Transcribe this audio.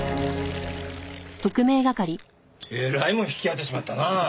えらいもん引き当てちまったな。